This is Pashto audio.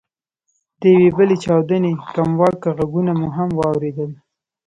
د یوې بلې چاودنې کمواکه ږغونه مو هم واورېدل.